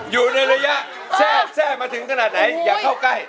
อยู่ในระยะแทรกแทรกมาถึงขนาดไหนอย่าเข้าใกล้